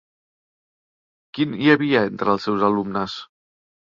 Quin hi havia entre els seus alumnes?